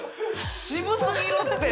渋すぎるって！